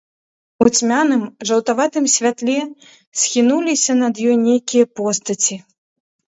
У цьмяным жаўтаватым святле схінуліся над ёй нейкія постаці.